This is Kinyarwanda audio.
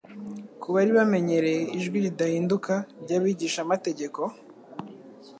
ku bari bamenyereye ijwi ridahinduka ry'abigishamategeko.